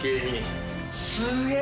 すげえ。